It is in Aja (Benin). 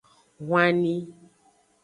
Hwanni.